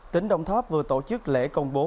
tỉnh đồng tháp vừa tổ chức lễ công bố